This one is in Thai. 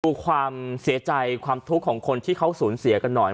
ดูความเสียใจความทุกข์ของคนที่เขาสูญเสียกันหน่อย